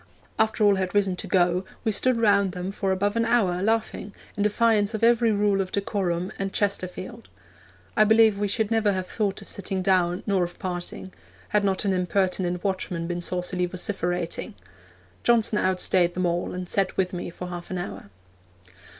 After all had risen to go we stood round them for above an hour, laughing, in defiance of every rule of decorum and Chesterfield. I believe we should never have thought of sitting down, nor of parting, had not an impertinent watchman been saucily vociferating. Johnson outstaid them all, and sat with me for half an hour.'